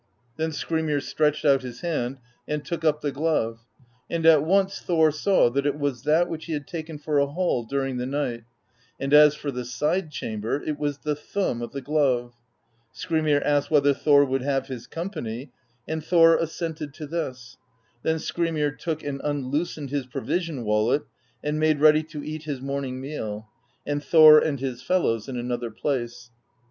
Then Skrymir stretched out his hand and took up the glove; and at once Thor saw that it was that which he had taken for a hall during the night; and as for the side chamber, it was the thumb of the glove. Skrymir asked whetherThor would have his company, and Thor assented to this. Then Skrymir took and unloosened his provision wallet and made ready to eat his morning meal, and Thor and his fellows in another place.